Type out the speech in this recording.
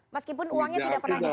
meskipun uangnya tidak pernah dibuat